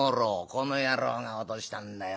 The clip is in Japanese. この野郎が落としたんだよ。